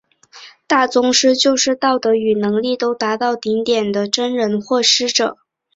大宗师就是道德与能力都达到顶点的真人或师者。